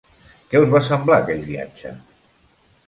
Què us va semblar aquell viatge?